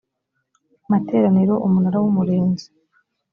materaniro umunara w umurinzi